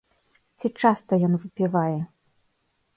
Ці часта ён выпівае?